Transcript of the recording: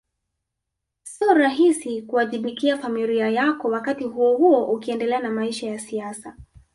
Sio rahisi kuwajibikia familia yako wakati huohuo ukiendelea na maisha ya siasa